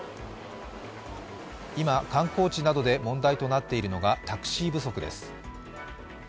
今、観光地などで問題となっているのがタクシー不足です。